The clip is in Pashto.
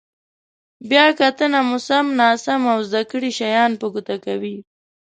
بیا کتنه مو سم، ناسم او زده کړي شیان په ګوته کوي.